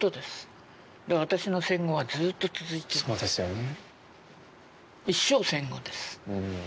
そうですよね。